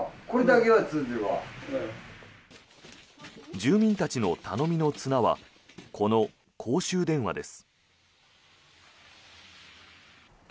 住民たちの頼みの綱はこの公衆電話です。